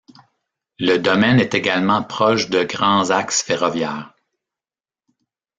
Le domaine est également proche de grands axes ferroviaires.